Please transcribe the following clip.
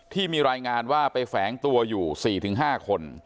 ที่มีรายงานว่าไปแฝงตัวอยู่๔๕คน